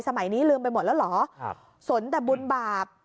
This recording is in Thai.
สมัยนี้ลืมไปหมดแล้วเหรอครับสนแต่บุญบาป